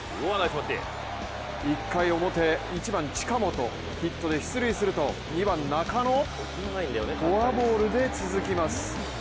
１回表、１番・近本ヒットで出塁すると２番・中野、フォアボールで続きます。